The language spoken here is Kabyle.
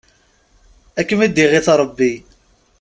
Ad kem-id-iɣit Rebbi!